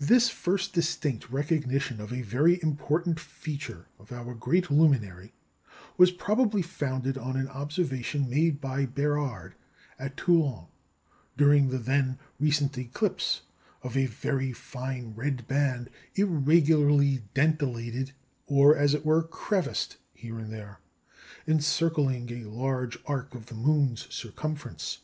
This first distinct recognition of a very important feature of our great luminary was probably founded on an observation made by Bérard at Toulon during the then recent eclipse, "of a very fine red band, irregularly dentelated, or, as it were, crevassed here and there," encircling a large arc of the moon's circumference.